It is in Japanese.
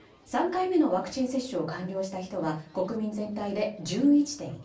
３回目のワクチン接種を完了した人は国民全体で１１．１％。